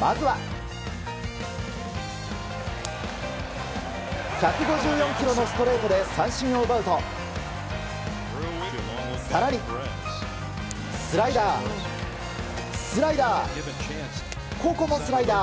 まずは１５４キロのストレートで三振を奪うと更にスライダー、スライダーここもスライダー。